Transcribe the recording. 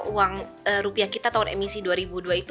uang rupiah kita tahun emisi dua ribu dua itu